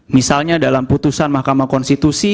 misalnya dalam putusan mahkamah konstitusi